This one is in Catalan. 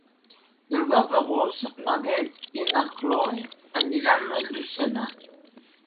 El deu d'agost na Beth i na Chloé aniran a Llucena.